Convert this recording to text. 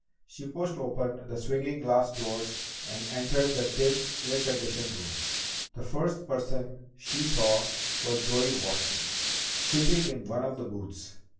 She pushed open the swinging glass doors and entered the dim, air conditioned room. The first person she saw was Joey Watson, sitting in one of the booths.